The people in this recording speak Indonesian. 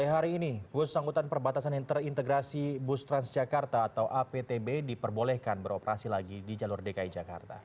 hari ini bus angkutan perbatasan yang terintegrasi bus transjakarta atau aptb diperbolehkan beroperasi lagi di jalur dki jakarta